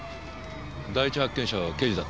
第一発見者は刑事？